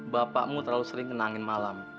bapakmu terlalu sering kena angin malam